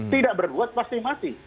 tidak berbuat pasti mati